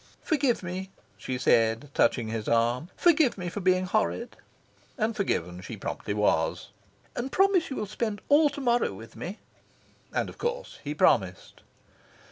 "Forgive me," she said, touching his arm. "Forgive me for being horrid." And forgiven she promptly was. "And promise you will spend all to morrow with me." And of course he promised.